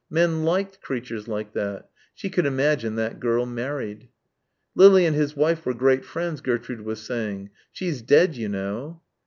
Men liked creatures like that. She could imagine that girl married. "Lily and his wife were great friends," Gertrude was saying. "She's dead, you know."